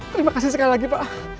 terima kasih sekali lagi pak